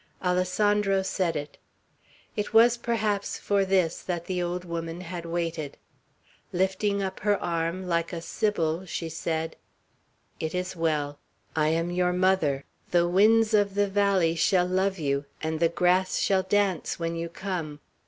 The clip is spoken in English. Alessandro said it. It was perhaps for this that the old woman had waited. Lifting up her arm, like a sibyl, she said: "It is well; I am your mother. The winds of the valley shall love you, and the grass shall dance when you come.